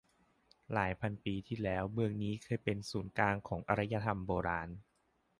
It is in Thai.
หลายพันปีที่แล้วเมืองนี้เคยเป็นศูนย์กลางของอารยธรรมโบราณ